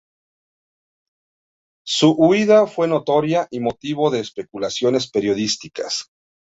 Su huida fue notoria y motivo de especulaciones periodísticas.